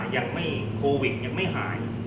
ยังไม่โควิดยังไม่หาย